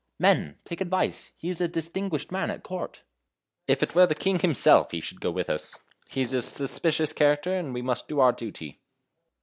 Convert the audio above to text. "Men! take advice; he is a distinguished man at court." "If it were a king himself he should go with us. He is a suspicious character, and we must do our duty."